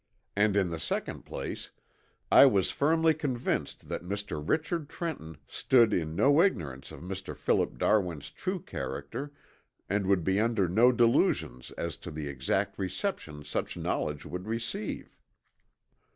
And in the second place, I was firmly convinced that Mr. Richard Trenton stood in no ignorance of Mr. Philip Darwin's true character and would be under no delusions as to the exact reception such knowledge would receive.